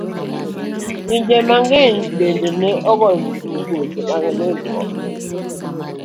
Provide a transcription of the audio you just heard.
Pinje mang'eny bende ne ogoyo marfuk weche mag nindruok.